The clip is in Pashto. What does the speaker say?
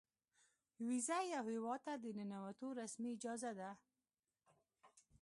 ویزه یو هیواد ته د ننوتو رسمي اجازه ده.